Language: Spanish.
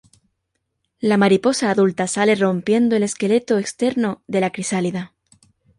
La mariposa adulta sale rompiendo el esqueleto externo de la crisálida.